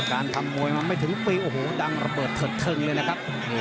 การทำมวยมาไม่ถึงปีโอ้โหดังระเบิดเถิดเทิงเลยนะครับ